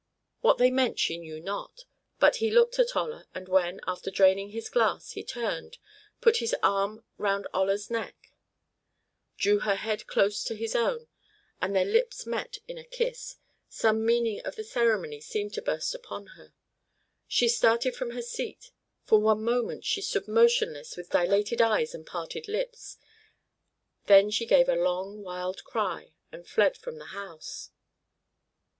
What they meant she knew not; but he looked at Olla, and when, after draining his glass, he turned, put his arm round Olla's neck, drew her head close to his own, and their lips met in a kiss, some meaning of the ceremony seemed to burst upon her. She started from her seat, for one moment she stood motionless with dilated eyes and parted lips, then she gave a long wild cry and fled from the house.